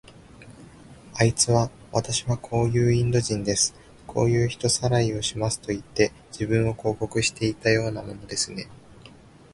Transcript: あいつは、わたしはこういうインド人です。こういう人さらいをしますといって、自分を広告していたようなものですね。